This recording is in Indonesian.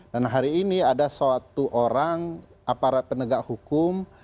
dan hari ini ada suatu orang aparat penegak hukum